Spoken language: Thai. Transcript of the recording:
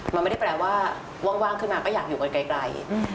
มันไม่ได้แปลว่าว่างขึ้นมาก็อยากอยู่กันไกล